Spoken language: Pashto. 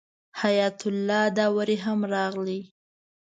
حیات الله داوري هم راغی.